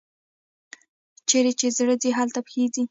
چیري چي زړه ځي، هلته پښې ځي.